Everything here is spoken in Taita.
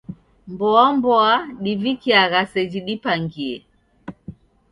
Mboa mboa divikiagha seji dipangie.